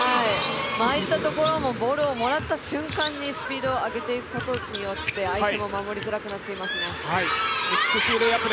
ああいったところもボールをもらった瞬間にスピードを上げていくことによって相手も守りづらくなっていますね赤穂選手。